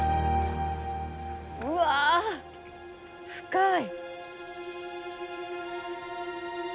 うわ深い。